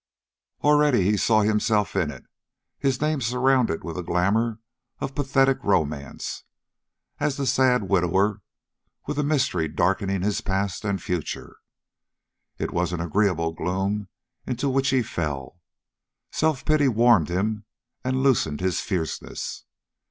Already he saw himself in it, his name surrounded with a glamour of pathetic romance, as the sad widower with a mystery darkening his past and future. It was an agreeable gloom into which he fell. Self pity warmed him and loosened his fierceness.